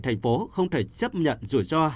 thành phố không thể chấp nhận rủi ro